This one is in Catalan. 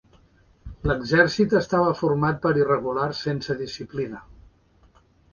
L'exèrcit estava format per irregulars sense disciplina.